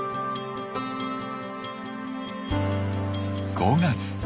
５月。